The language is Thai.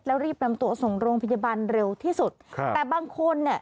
แล้วรีบนำตัวส่งโรงพยาบาลเร็วที่สุดครับแต่บางคนเนี่ย